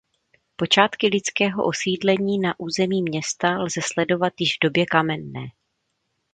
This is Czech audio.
Počátky lidského osídlení na území města lze sledovat již v době kamenné.